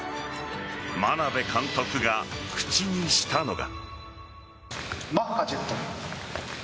眞鍋監督が口にしたのが。